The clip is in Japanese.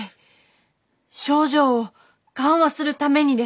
症状を緩和するためにです。